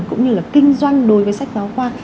cũng như là kinh doanh đối với sách giáo khoa